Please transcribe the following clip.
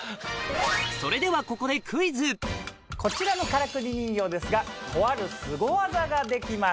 それではここでこちらのからくり人形ですがとあるスゴ技ができます。